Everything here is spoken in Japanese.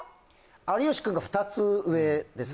有吉くんが２つ上です